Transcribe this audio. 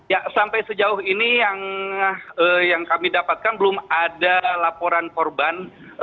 ya sampai sejauh ini yang kami dapatkan belum ada laporan korban